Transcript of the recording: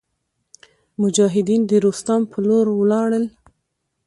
مجاهدین د روستام په لور ولاړل.